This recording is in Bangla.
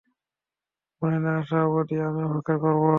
মনে না আসা অবধি, আমি অপেক্ষা করবো।